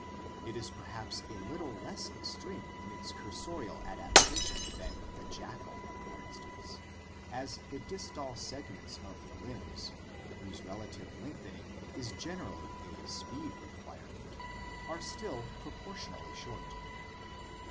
It is perhaps a little less extreme in its cursorial adaptation than the jackal (Canis aureus) for instance, as the distal segments of the limbs, whose relative lengthening is generally a speed requirement, are still proportionally short.